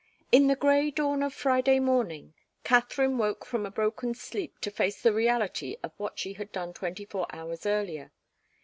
In the grey dawn of Friday morning Katharine woke from broken sleep to face the reality of what she had done twenty four hours earlier.